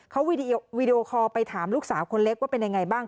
เขาวีดีโอคอลไปถามลูกสาวคนเล็กว่าเป็นยังไงบ้าง